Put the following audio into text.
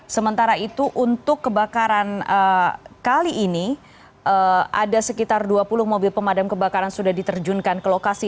sementara itu untuk kebakaran kali ini ada sekitar dua puluh mobil pemadam kebakaran sudah diterjunkan ke lokasi